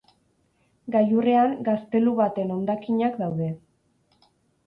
Gailurrean gaztelu baten hondakinak daude.